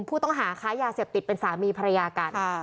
ผู้ต้องหาค้ายาเสพติดเป็นสามีภรรยากัน